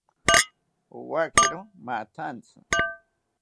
Owakiro mathantzi